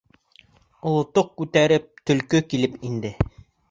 Оло тоҡ ҡүтәреп төлкө килеп инде.